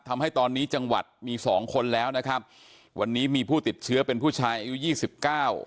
ทำให้ตอนนี้จังหวัดมีสองคนแล้วนะครับวันนี้มีผู้ติดเชื้อเป็นผู้ชายอายุยี่สิบเก้า